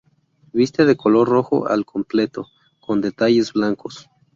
Viste de color rojo al completo, con detalles blancos.